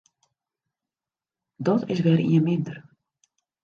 Dat is wer ien minder.